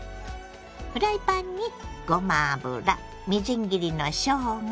フライパンにごま油みじん切りのしょうが